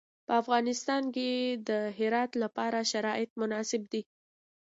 په افغانستان کې د هرات لپاره شرایط مناسب دي.